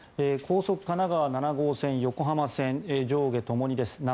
高速神奈川７号線横浜線上下ともにです。